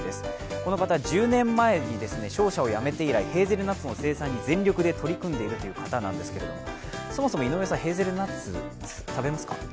この方、１０年前に商社を辞めて以来ヘーゼルナッツの生産に全力で取り組んでいる方なんですが、井上さん、ヘーゼルナッツ、食べますか？